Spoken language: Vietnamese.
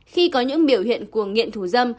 khi có những biểu hiện của nghiện thủ dâm